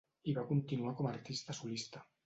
i va continuar com a artista solista.